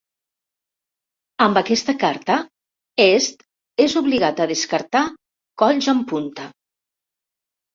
Amb aquesta carta, Est és obligat a descartar colls amb punta.